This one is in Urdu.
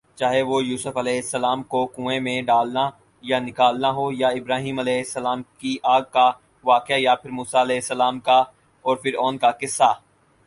چاہے وہ یوسف ؑ کو کنویں میں ڈالنا یا نکالنا ہوا یا ابراھیمؑ کی آگ کا واقعہ یا پھر موسیؑ کا اور فرعون کا قصہ